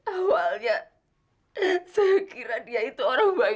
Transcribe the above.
awalnya saya kira dia itu orang yang berani